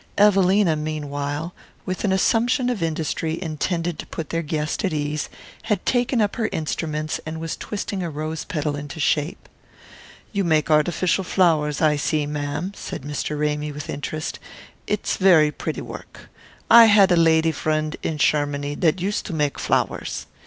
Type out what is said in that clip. Evelina meanwhile, with an assumption of industry intended to put their guest at ease, had taken up her instruments and was twisting a rose petal into shape. "You make artificial flowers, I see, ma'am," said Mr. Ramy with interest. "It's very pretty work. I had a lady vriend in Shermany dat used to make flowers."